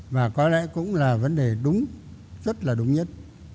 và có lẽ cũng là vấn đề đúng rất là đúng nhất